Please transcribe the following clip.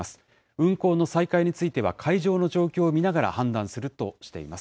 運航の再開については、海上の状況を見ながら判断するとしています。